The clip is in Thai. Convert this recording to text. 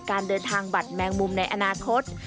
การเดินทางบัตรแมงมุมในอนาคต